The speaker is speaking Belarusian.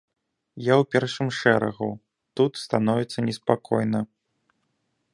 Я ў першым шэрагу, тут становіцца неспакойна.